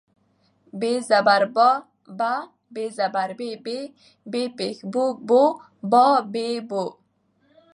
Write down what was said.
ب زر با، ب زېر بي، ب پېښ بو، با بي بو